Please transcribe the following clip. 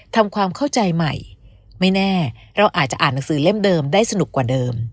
ทำความเข้าใจใหม่ไม่แน่เราอาจจะอ่านหนังสือเล่มเดิมได้สนุกกว่าเดิม